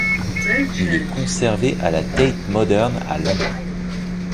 Il est conservé à la Tate Modern à Londres.